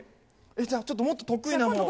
じゃあ、ちょっともっと得意なものを。